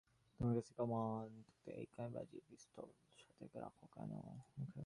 তোমার কাছে কামান থাকতে এই বাজে পিস্তল সাথে রাখো কেন?